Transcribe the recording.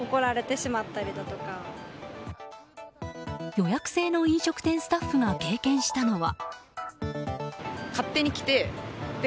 予約制の飲食店スタッフが経験したのは。